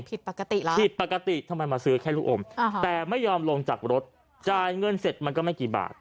ผิดปกติแล้วผิดปกติทำไมมาซื้อแค่ลูกอมแต่ไม่ยอมลงจากรถจ่ายเงินเสร็จมันก็ไม่กี่บาท